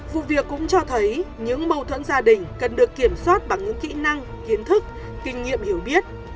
vụ việc cũng cho thấy những mâu thuẫn gia đình cần được kiểm soát bằng những kỹ năng kiến thức kinh nghiệm hiểu biết